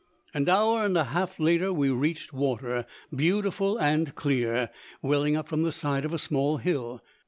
An hour and a half later we reached water, beautiful and clear, welling up from the side of a small hill.